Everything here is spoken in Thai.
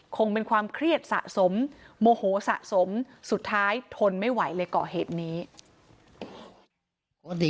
คงเป็นความเครียดสะสมโมโหสะสมสุดท้ายทนไม่ไหวเลยก่อเหตุนี้